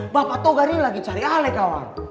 bapak tuh gari lagi cari alih kawan